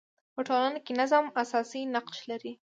په ټولنه کي نظم اساسي نقش لري.